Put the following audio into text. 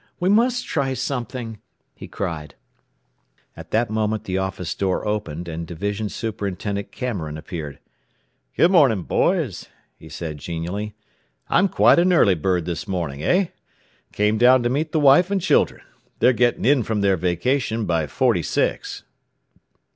We must try something!" he cried. At that moment the office door opened and Division Superintendent Cameron appeared. "Good morning, boys," he said genially. "I'm quite an early bird this morning, eh? Came down to meet the wife and children. They're getting in from their vacation by Forty six.